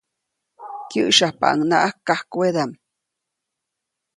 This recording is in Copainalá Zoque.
Kyäsyapaʼuŋnaʼak kajkwedaʼm.